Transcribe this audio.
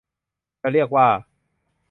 จะเรียกว่า